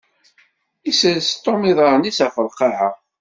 Isres Tom iḍaṛṛen-is ɣef lqaɛa.